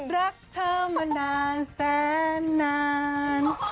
รักเธอมานานแสนนาน